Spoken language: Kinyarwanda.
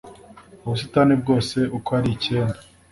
ubusitani bwose uko ari icyenda.